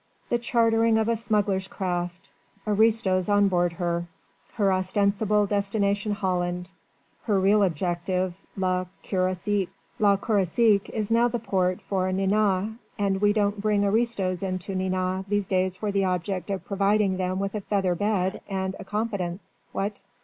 The chartering of a smuggler's craft aristos on board her her ostensible destination Holland her real objective Le Croisic.... Le Croisic is now the port for Nantes and we don't bring aristos into Nantes these days for the object of providing them with a feather bed and a competence, what?"